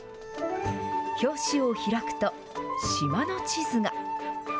表紙を開くと、島の地図が。